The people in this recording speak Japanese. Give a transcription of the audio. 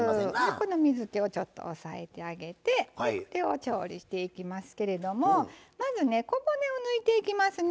この水けをちょっと抑えてあげて調理していきますけれどもまずね小骨を抜いていきますね。